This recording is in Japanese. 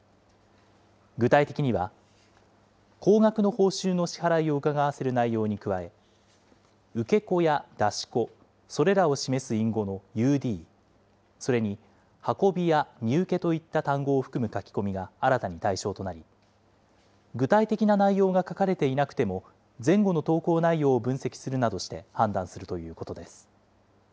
具体的には高額の報酬の支払いをうかがわせる内容に加え、受け子や出し子、それらを示す隠語のＵＤ、それに運び屋、荷受けといった単語を含む書き込みが新たに対象となり、具体的な内容が書かれていなくても、前後の投稿内容を分析するなどして判断するということです。